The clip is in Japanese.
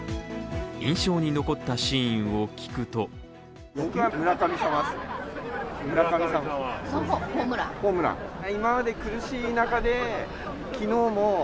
印象に残ったシーンを聞くとストライクだ。